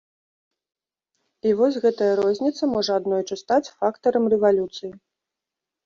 І вось гэтая розніца можа аднойчы стаць фактарам рэвалюцыі.